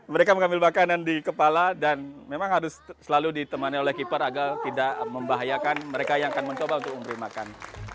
mereka mengambil makanan di kepala dan memang harus selalu ditemani oleh keeper agar tidak membahayakan mereka yang akan mencoba untuk memberi makan